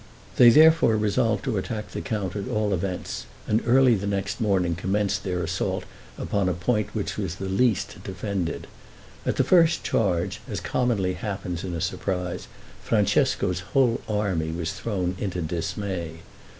They therefore resolved to attack the count at all events, and early the next morning commenced their assault upon a point which was least defended. At the first charge, as commonly happens in a surprise, Francesco's whole army was thrown into dismay.